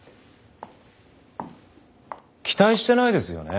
期待してないですよね？